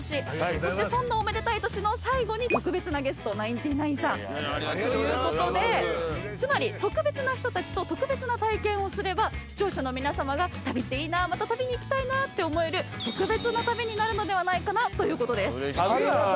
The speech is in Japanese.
そしてそんなおめでたい年の最後に特別なゲストナインティナインさんということでつまり特別な人たちと特別な体験をすれば視聴者の皆さまが旅っていいなまた旅に行きたいなって思える特別な旅になるのではないかなということです。